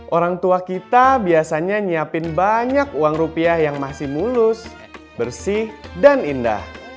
orang tua kita biasanya nyiapin banyak uang rupiah yang masih mulus bersih dan indah